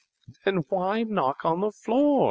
'Then why knock on the floor?'